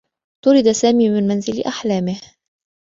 طُرد سامي من منزل أحلامه.